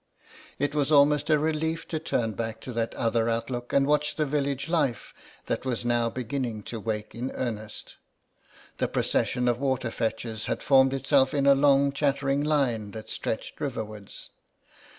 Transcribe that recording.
It was almost a relief to turn back to that other outlook and watch the village life that was now beginning to wake in earnest. The procession of water fetchers had formed itself in a long chattering line that stretched river wards.